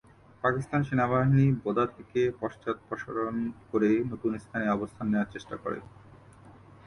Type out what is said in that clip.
পাকিস্তান সেনাবাহিনী বোদা থেকে পশ্চাদপসরণ করে নতুন স্থানে অবস্থান নেওয়ার চেষ্টা করে।